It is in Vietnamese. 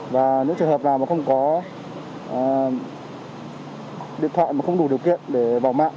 và những trường hợp nào mà không có điện thoại mà không đủ điều kiện để vào mạng